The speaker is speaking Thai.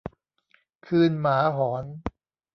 คืนหมาหอน